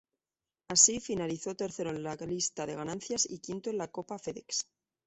Así, finalizó tercero en la lista de ganancias y quinto en la Copa FedEx.